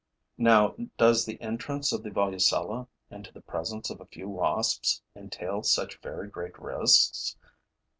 Now does the entrance of the Volucella into the presence of a few wasps entail such very great risks?